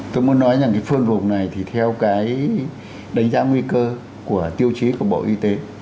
tôi muốn nói rằng cái phương vùng này thì theo cái đánh giá nguy cơ của tiêu chí của bộ y tế